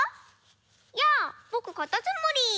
やあぼくかたつむり！